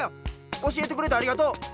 おしえてくれてありがとう！